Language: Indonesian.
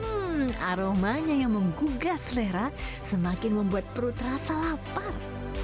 hmm aromanya yang menggugah selera semakin membuat perut terasa lapar